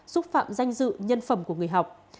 xúc phạm danh dự nhân phẩm của người học